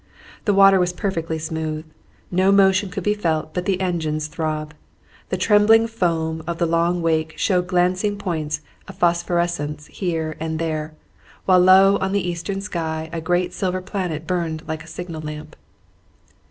The water was perfectly smooth; no motion could be felt but the engine's throb. The trembling foam of the long wake showed glancing points of phosphorescence here and there, while low on the eastern sky a great silver planet burned like a signal lamp.